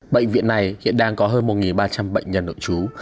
bệnh viện này hiện đang có hơn một ba trăm linh bệnh nhân nội trú